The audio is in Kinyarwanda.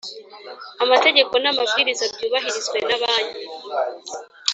amategeko n amabwiriza byubahirizwe na Banki